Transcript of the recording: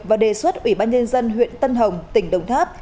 và đề xuất ủy ban nhân dân huyện tân hồng tỉnh đồng tháp